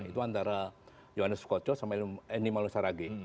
itu antara yohanes koco sama eni malo saragi